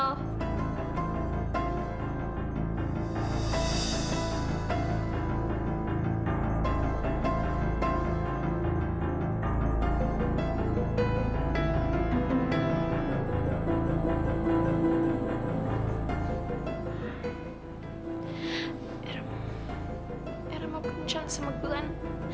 erem erem maafkan saya semak bulan